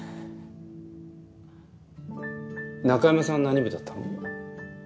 中山さんは何部だったの？